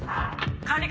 管理官！